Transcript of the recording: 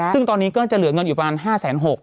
ซึ่งตอนนี้ก็จะเหลือเงินอยู่ประมาณ๕๖๐๐